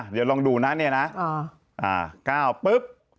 เดี๋ยวลองดูนะเนี่ยนะ๙ปุ๊บ